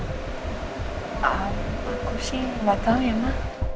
aku sih gak tau ya ma